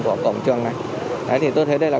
của cổng trường này thế thì tôi thấy đây là